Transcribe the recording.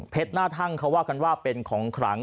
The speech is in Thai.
หน้าทั่งเขาว่ากันว่าเป็นของขลัง